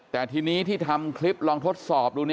แต่ทีนี้ที่ทำคลิปลองทดสอบดู